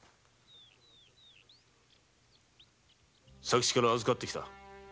佐吉から預かって来た。